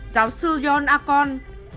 giáo sư john acon